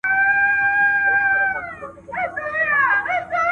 ایا ته غواړې چي ستا شکر په عمل کي وي؟